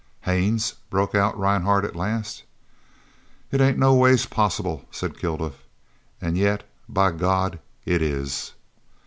"Haines!" broke out Rhinehart at last. "It ain't no ways possible!" said Kilduff. "And yet by God, it is!"